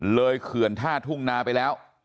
เขื่อนท่าทุ่งนาไปแล้ว